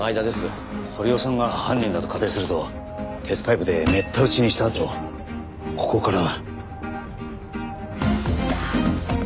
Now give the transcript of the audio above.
堀尾さんが犯人だと仮定すると鉄パイプでめった打ちにしたあとここから。